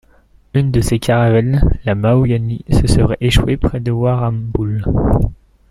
Une de ses caravelles la Mahogany se serait échouée près de Warrnambool.